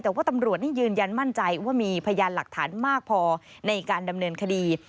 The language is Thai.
แต่ว่าตำรวจนี่ยืนยันมั่นใจว่ามีพยานหลักฐานมากพอในการดำเนินคดี